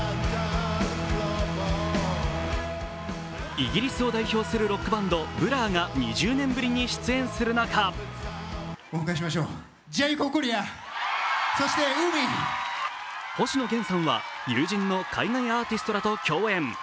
イギリスを代表するロックバンドＢＬＵＲが２０年ぶりに出演する中星野源さんは友人の海外アーティストらと共演。